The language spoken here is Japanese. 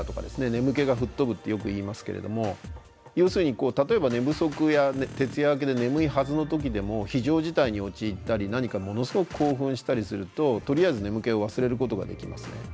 眠気が吹っ飛ぶってよく言いますけれども要するに例えば寝不足や徹夜明けで眠いはずの時でも非常事態に陥ったり何かものすごく興奮したりするととりあえず眠気を忘れることができますね。